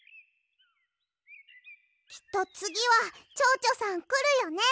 きっとつぎはチョウチョさんくるよね。